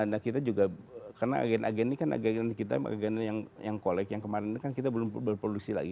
nah kita juga karena agen agen ini kan agen kita agen yang collect yang kemarin kan kita belum berproduksi lagi